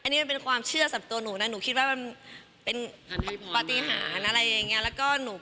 นี่ความเชื่อสัตวเนาะหนู